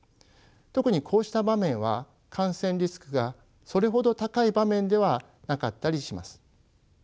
特にこうした場面は感染リスクがそれほど高い場面ではなかったりします。